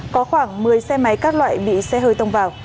có khoảng một mươi xe máy các loại bị xe hơi tông vào